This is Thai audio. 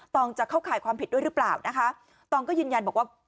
องจะเข้าข่ายความผิดด้วยหรือเปล่านะคะตองก็ยืนยันบอกว่า